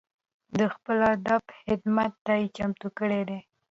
د خپل ادب خدمت ته یې چمتو کړي دي.